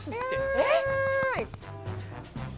えっ？